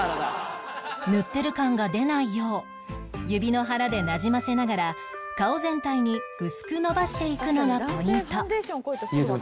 塗ってる感が出ないよう指の腹でなじませながら顔全体に薄くのばしていくのがポイント